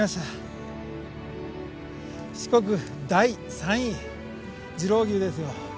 四国第３位次郎笈ですよ。